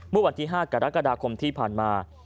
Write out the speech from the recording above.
เมื่อวันที่๕กรกฎาคมที่ผ่านมา